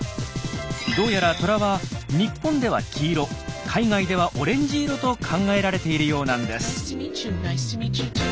どうやらトラは日本では黄色海外ではオレンジ色と考えられているようなんです。